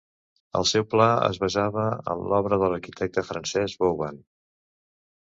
El seu pla es basava en l'obra de l'arquitecte francès Vauban.